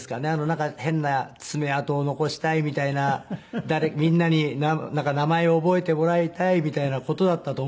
なんか変な爪痕を残したいみたいなみんなに名前を覚えてもらいたいみたいな事だったと思うんです。